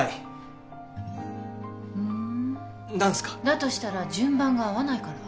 だとしたら順番が合わないから。